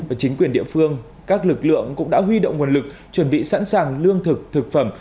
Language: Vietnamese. và chính quyền địa phương các lực lượng cũng đã huy động nguồn lực chuẩn bị sẵn sàng lương thực thực phẩm